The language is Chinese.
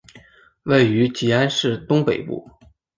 位于吉安市东北部。